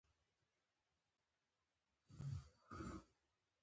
زه د راډیو پروګرام تعقیبوم.